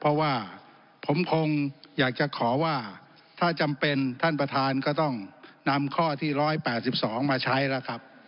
เพราะว่าผมคงอยากจะขอว่าถ้าจำเป็นท่านประธานก็ต้องนำข้อที่๑๘๒มาใช้แล้วครับ